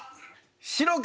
白黒。